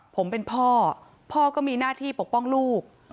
ผมเป็นพ่อพ่อก็มีหน้าที่ปกป้องลูก